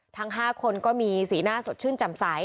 ทั้ง๕คนก็มีสีหน้าสดชื่นแจ่มใส